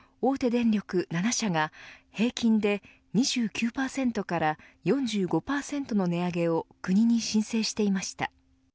電力７社が平均で２９％から４５％の値上げを国に申請していました。